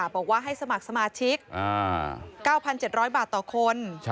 บอกว่าให้สมัครสมาชิก๙๗๐๐บาทต่อคน